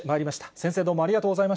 先生、どうもありがとうございま